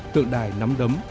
tượng đài nắm đấm